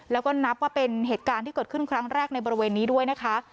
แล้วก็นับว่าเป็นเหตุการณ์ที่เกิดขึ้นครั้งแรกในบริเวณนี้ด้วยนะคะ